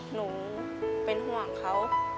หนูเป็นห่วงเขา